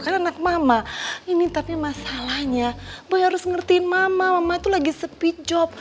kan anak mama ini tapi masalahnya boy harus ngertiin mama mama itu lagi speed job